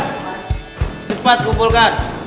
seperti yang belum mengumpulkan